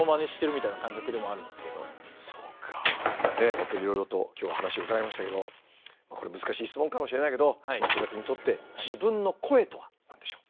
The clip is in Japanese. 本当にいろいろと今日は話を伺いましたけどもこれ難しい質問かもしれないけど松浦君にとって自分の声とは何でしょう？